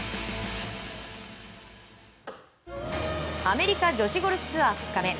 アメリカ女子ゴルフツアー２日目。